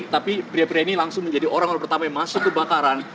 tapi pria pria ini langsung menjadi orang orang pertama yang masuk kebakaran